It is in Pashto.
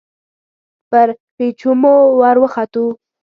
پر پېچومو ور وختو.